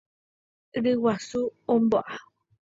Ryguasu ombo'a.